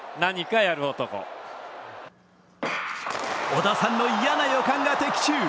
織田さんの嫌な予感が的中。